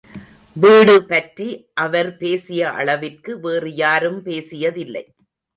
வீடுபற்றி அவர் பேசிய அளவிற்கு வேறு யாரும் பேசியதில்லை.